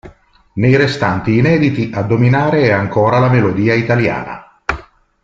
Nei restanti inediti a dominare è ancora la melodia italiana.